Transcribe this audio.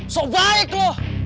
so baik lu